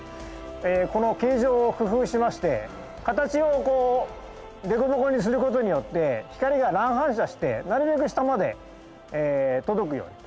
この形状を工夫しまして形を凸凹にすることによって光が乱反射してなるべく下まで届くように。